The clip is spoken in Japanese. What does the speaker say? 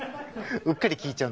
うっかり聴いちゃう？